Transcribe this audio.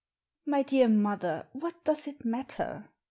" My dear mother, what does it matter?"